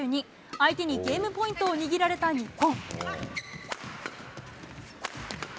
相手にゲームポイントを握られた日本。